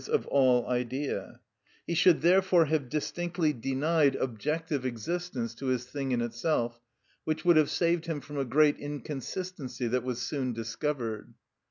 _, of all idea; he should therefore have distinctly denied objective existence to his thing in itself, which would have saved him from a great inconsistency that was soon discovered.